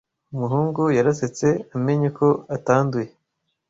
Umuhungu yarasetse amenye ko atanduye